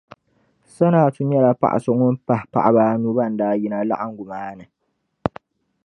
Sanatu nyɛla paɣa so ŋun pahi paɣaba anu ban daa yina laɣingu maa ni